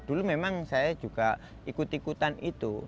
dulu memang saya juga ikut ikutan itu